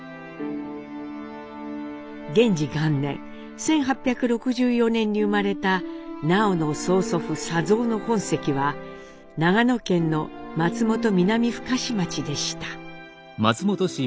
元治元年１８６４年に生まれた南朋の曽祖父佐三の本籍は長野県の松本南深志町でした。